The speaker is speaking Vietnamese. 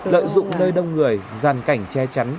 lợi dụng nơi đông người dàn cảnh che chắn